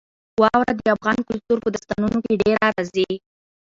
واوره د افغان کلتور په داستانونو کې ډېره راځي.